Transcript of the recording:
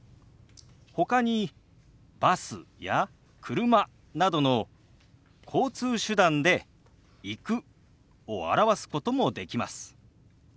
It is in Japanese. ほかにバスや車などの交通手段で「行く」を表すこともできます。